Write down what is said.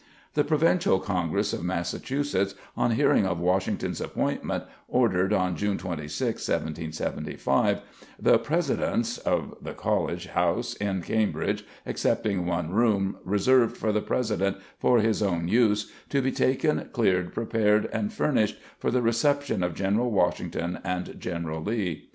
The Provincial Congress of Massachusetts on hearing of Washington's appointment ordered on June 26, 1775 "the President's (of the college) house in Cambridge, excepting one room, reserved for the President for his own use, be taken, cleared, prepared, and furnished for the reception of General Washington and General Lee".